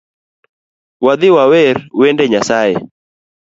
Wadhi wawer wende Nyasaye